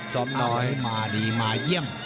ซ้อมน้อยมาดีมาเยี่ยม